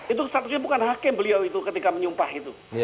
itu statusnya bukan hakim beliau itu ketika menyumpah itu